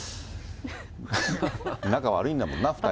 仲悪いんだもんな、２人。